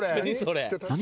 何？